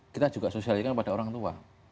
kita juga sosialisirkan pada orang tua